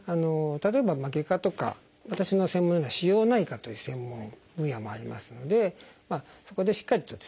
例えば外科とか私の専門のような腫瘍内科という専門分野もありますのでそこでしっかりとですね